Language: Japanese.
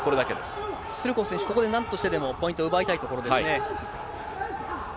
スルコフ選手、ここで何としてもポイントを奪いたいところですね。